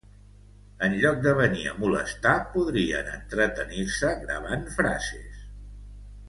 Enlloc de venir a molestar, podrien entretenir-se gravant frases.